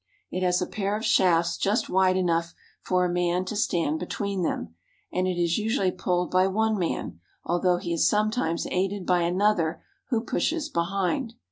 It has a pair of shafts just wide enough for a man to stand between them ; and it is usually pulled by one man, although he is sometimes aided by another who pushes behind.